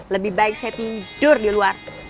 lebih baik saya tidur di luar